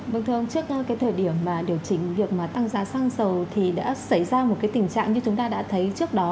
vâng thưa ông trước cái thời điểm mà điều chỉnh việc mà tăng giá xăng dầu thì đã xảy ra một cái tình trạng như chúng ta đã thấy trước đó